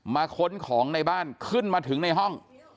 ค้นของในบ้านขึ้นมาถึงในห้อง